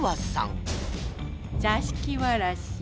座敷わらし。